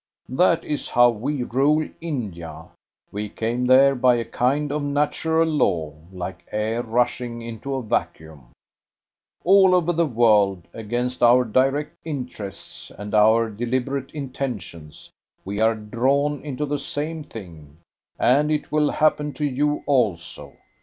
That is how we rule India. We came there by a kind of natural law, like air rushing into a vacuum. All over the world, against our direct interests and our deliberate intentions, we are drawn into the same thing. And it will happen to you also.